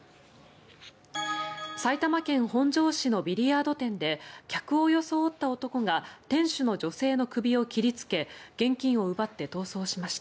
埼玉県本庄市のビリヤード店で客を装った男が店主の女性の首を切りつけ現金を奪って逃走しました。